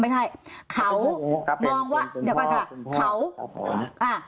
เดี๋ยวเดี๋ยวก่อนครับ